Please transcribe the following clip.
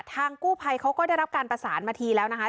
ทางกู้ภัยเขาก็ได้รับการประสานมาทีแล้วนะคะ